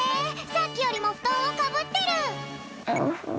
さっきよりもふとんをかぶってる！